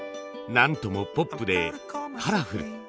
何ともポップでカラフル。